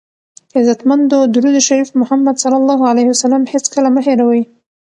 عزتمندو درود شریف په محمد ص هېڅکله مه هیروئ!